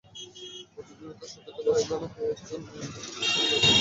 বছরজুড়ে তাঁরা সতীর্থ, বার্সেলোনার হয়ে একজনের সাফল্য আরেকজনের ওপর নির্ভর করে অনেকটাই।